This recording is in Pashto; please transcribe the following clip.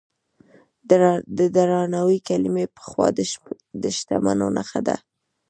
د درناوي کلمې پخوا د شتمنو نښه وه.